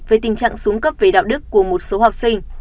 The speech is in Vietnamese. về tình trạng xuống cấp về đạo đức của một số học sinh